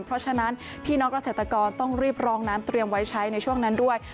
เพราะฉะนั้นพี่น้องเกษตรกรต้องรีบรองน้ำเตรียมไว้ใช้ในช่วงนั้นด้วย